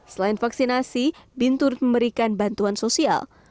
selain vaksinasi bin turut memberikan bantuan sosial